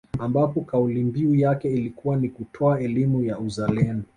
Ambapo kauli mbiu yake ilikuwa ni kutoa elimu ya uzalendo